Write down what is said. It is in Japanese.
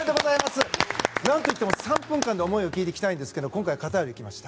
何といっても３分間で思いを聞いていきたいんですが今回、カタール行きました。